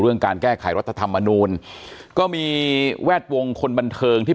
เรื่องการแก้ข่ายรัฐธรรมมานู่นก็มีแวดวงคนบันเทิงที่